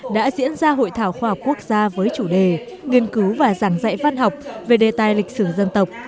đã diễn ra hội thảo khoa học quốc gia với chủ đề nghiên cứu và giảng dạy văn học về đề tài lịch sử dân tộc